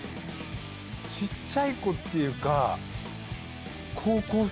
小っちゃい子っていうか。